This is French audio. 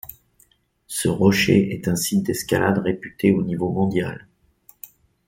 Ce rocher est un site d'escalade réputé au niveau mondial.